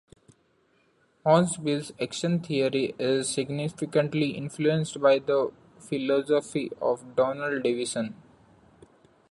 Hornsby's action theory is significantly influenced by the philosophy of Donald Davidson.